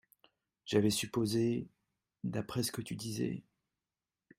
J’avais supposé,… d’après ce que tu disais…